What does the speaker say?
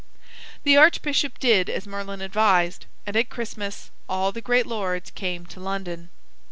The archbishop did as Merlin advised, and at Christmas all the great lords came to London.